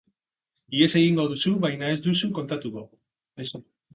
Ihes egingo duzu, baina ez duzu kontatuko.